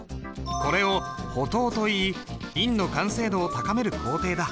これを補刀といい印の完成度を高める工程だ。